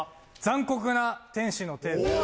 「残酷な天使のテーゼ」